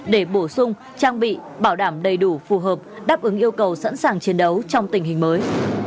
để bổ sung trang bị bảo đảm đầy đủ phù hợp đáp ứng yêu cầu sẵn sàng chiến đấu trong tình hình mới